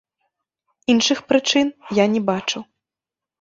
Іншых прычын я не бачу.